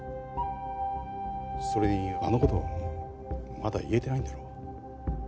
それにあの事まだ言えてないんだろ？